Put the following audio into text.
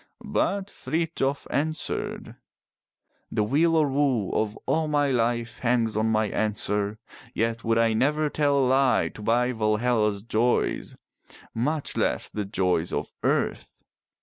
But Frithjof answered: "The weal or woe of all my life hangs on my answer, yet would I never tell a lie to buy Valhalla's joys, 346 FROM THE TOWER WINDOW much less the joys of earth.